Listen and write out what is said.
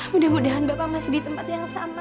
mudah mudahan bapak masih di tempat yang sama